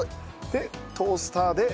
でトースターで。